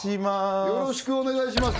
よろしくお願いします